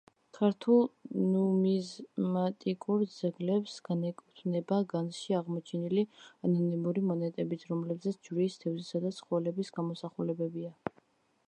ქართულ ნუმიზმატიკურ ძეგლებს განეკუთვნება განძში აღმოჩენილი ანონიმური მონეტებიც, რომლებზეც ჯვრის, თევზისა და ცხოველების გამოსახულებებია.